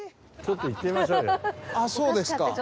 ちょっと行ってみましょうよ。